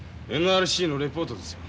ＮＲＣのレポートですよ。